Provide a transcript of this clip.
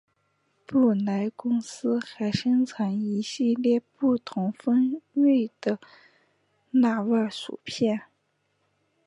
布莱公司还生产一系列不同风味的辣味薯片。